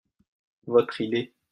Votre idée.